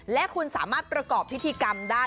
และคุณสามารถประกอบพิธีกรรมได้